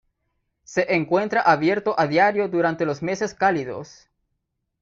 Se encuentra abierto a diario durante los meses cálidos.